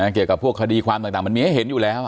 เกี่ยวกับพวกคดีความต่างมันมีให้เห็นอยู่แล้ว